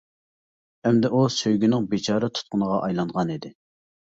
ئەمدى ئۇ سۆيگۈنىڭ بىچارە تۇتقىنىغا ئايلانغانىدى.